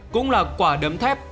cũng là quả đấm thép